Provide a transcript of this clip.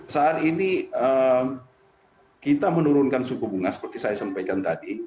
saat ini kita menurunkan suku bunga seperti saya sampaikan tadi